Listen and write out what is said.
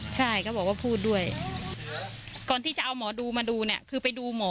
แต่พูดด้วยใช่ไหม